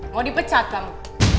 mau dipecat kamu